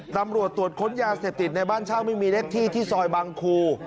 ตำรวจตรวจค้นยาเสพติดในบ้านเช่าไม่มีเลขที่ที่ซอยบางครู